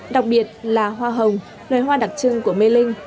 đặc biệt là hoa hồng loài hoa đặc trưng của mê linh